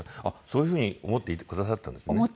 あっそういうふうに思っていてくださったんですね。